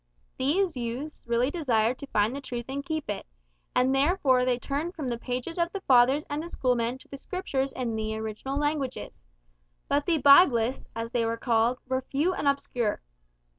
These youths really desired to find the truth and to keep it; and therefore they turned from the pages of the Fathers and the Schoolmen to the Scriptures in the original languages. But the "Biblists," as they were called, were few and obscure.